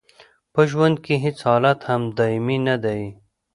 په ژوند کې هیڅ حالت هم دایمي نه دی.